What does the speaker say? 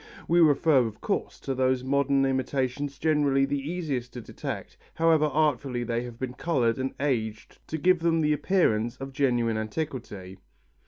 We refer, of course, to those modern imitations generally the easiest to detect, however artfully they have been coloured and aged to give them the appearance of genuine antiquity.